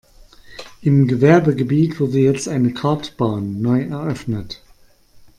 Im Gewerbegebiet wurde jetzt eine Kartbahn neu eröffnet.